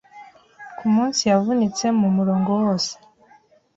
kumunsi Yavunitse mumurongo wose